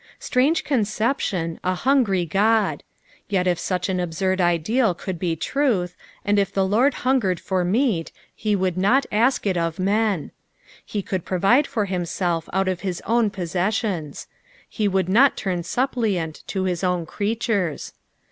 '' Btrange cnnccption, a hungry God I Tet if such &□ absurii ideal could be tmtli, and if the Lord huogered for meat, he would aot ask it of men. He could provide for himaelf out of Us own poBsessioQB ; be would not turn suppliant to his own creatures.